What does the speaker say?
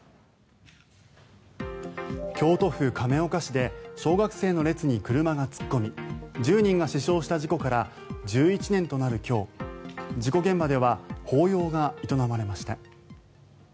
京都府亀岡市で小学生の列に車が突っ込み１０人が死傷した事故から１１年となる今日事故現場では法要が営まれました。